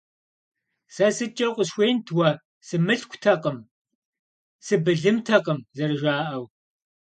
Сэ сыткӀэ укъысхуеинт уэ, сымылъкутэкъым, сыбылымтэкъым, зэрыжаӀэу.